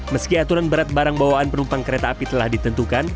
meski aturan berat barang bawaan penumpang kereta api telah ditentukan